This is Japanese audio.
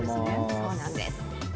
そうなんです。